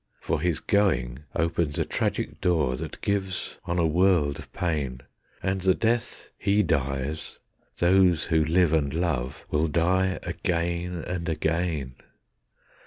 For his going opens a tragic door that gives on a world of pain, And the death he dies, those who live and love, will die again and again.